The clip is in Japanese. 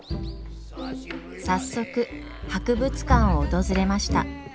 早速博物館を訪れました。